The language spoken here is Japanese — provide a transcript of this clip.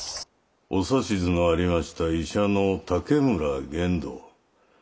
お指図のありました医者の竹村玄洞。